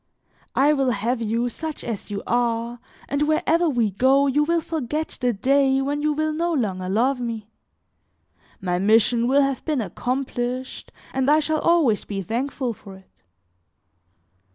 I will have you, such as you are, and wherever we go you will forget the day when you will no longer love me. My mission will have been accomplished, and I shall always be thankful for it."